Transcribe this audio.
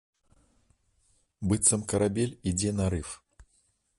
Быццам карабель ідзе на рыф.